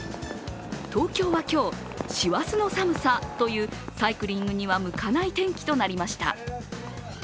東京は今日、師走の寒さというサイクリングには向かない天気となりました。